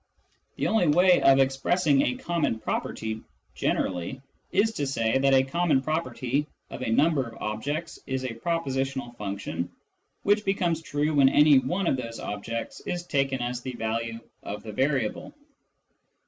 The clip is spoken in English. The only way of expressing a 158 Introduction to Mathematical Philosophy common property generally is to say that a common property of a number of objects is a prepositional function which becomes true when any one of these objects is taken as the value of the variable.